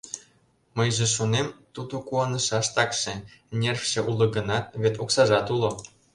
Мыйже шонем, тудо куанышаш такше — нервше уло гынат, вет оксажат уло.